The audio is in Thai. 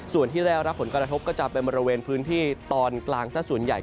ส่วนที่ได้รับผลกระทบก็จะเป็นบริเวณพื้นที่ตอนกลางซะส่วนใหญ่